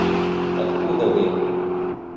Откуда вы?